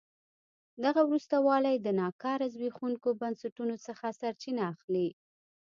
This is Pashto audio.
دغه وروسته والی د ناکاره زبېښونکو بنسټونو څخه سرچینه اخلي.